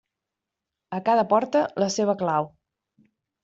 A cada porta, la seva clau.